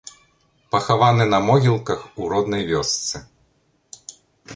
Пахаваны на могілках у роднай вёсцы.